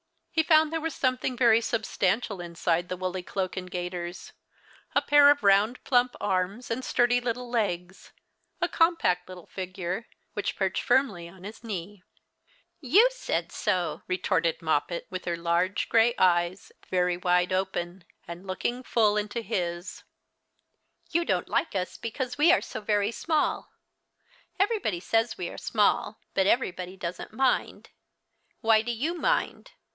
He found there was something very substantial inside the woolly cloak and gaiters, a pair of round plump arms and sturdy little legs, a compact little fignre. which perched firmly on his knee. " You said so," retorted ^loppet, with her large grev 100 The Christmas Hirelings. eyes very wide open, and looking" fnll into his. " Yon don't like ns because we are so very small. Everybody says we are small, but everybody doesn't mind. Why do you mind